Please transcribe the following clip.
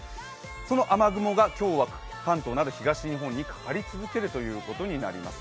その雨雲が今日は関東など東日本にかかり続けるということになります。